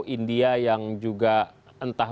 india yang juga entah